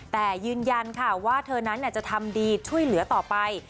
แต่ยืนยันค่ะว่าเธอนั้นจะทำดีช่วยเหลือต่อไป